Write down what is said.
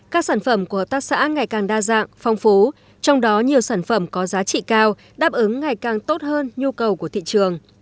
các sản phẩm của hợp tác xã ngày càng đa dạng phong phú trong đó nhiều sản phẩm có giá trị cao đáp ứng ngày càng tốt hơn nhu cầu của thị trường